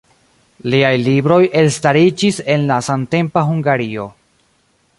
Liaj libroj elstariĝis en la samtempa Hungario.